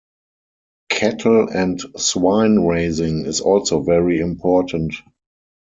Cattle and swine raising is also very important.